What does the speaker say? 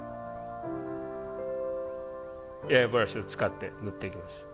エアブラシを使って塗っていきます。